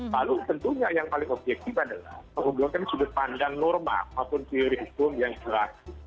lalu tentunya yang paling objektif adalah menggunakan sudut pandang norma maupun teori hukum yang jelas